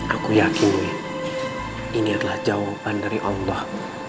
aku yakin ini adalah jawaban dari allah